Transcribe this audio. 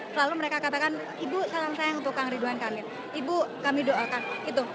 selalu mereka katakan ibu salam sayang untuk kang ridwan kamil ibu kami doakan gitu